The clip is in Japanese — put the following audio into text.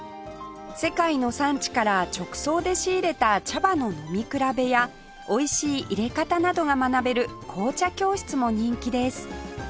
世界の産地から直送で仕入れた茶葉の飲み比べやおいしい淹れ方などが学べる紅茶教室も人気です